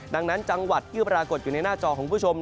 ดังนั้นจังหวัดที่ปรากฏอยู่ในหน้าจอของคุณผู้ชม